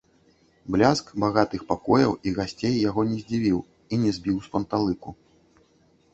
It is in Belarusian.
Бляск багатых пакояў і гасцей яго не здзівіў і не збіў з панталыку.